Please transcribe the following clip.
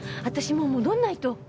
私もう戻らないと。